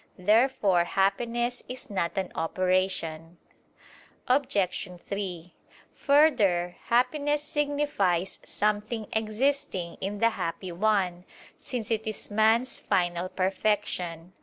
Therefore happiness is not an operation. Obj. 3: Further, happiness signifies something existing in the happy one: since it is man's final perfection.